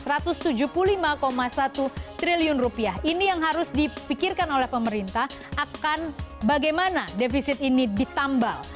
rp satu ratus tujuh puluh lima satu triliun ini yang harus dipikirkan oleh pemerintah akan bagaimana defisit ini ditambal